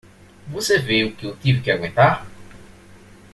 Você vê o que eu tive que aguentar?